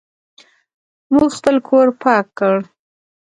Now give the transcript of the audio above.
موږ خپل کور پاک کړ.